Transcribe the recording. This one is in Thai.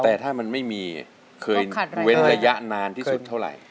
แต่ถ้ามันไม่มีเคยเว้นระยะนานที่สุดเท่าไหร่